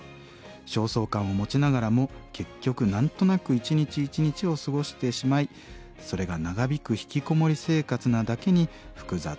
焦燥感を持ちながらも結局何となく一日一日を過ごしてしまいそれが長引くひきこもり生活なだけに複雑です」というメッセージです。